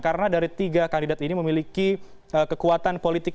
karena dari tiga kandidat ini memiliki kekuatan politik